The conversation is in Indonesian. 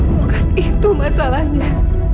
bukan itu masalahnya